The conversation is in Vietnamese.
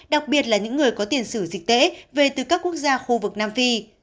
đặc biệt là những người có tiền sử dịch tễ về từ các quốc gia khu vực nam phi